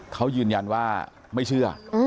เขายืนยันว่าไม่เชื่อ